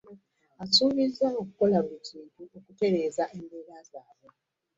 Asuubizza okukola buli kimu okutereeza embeera zaabwe